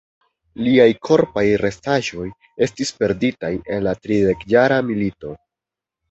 Liaj korpaj restaĵoj estis perditaj en la Tridekjara Milito.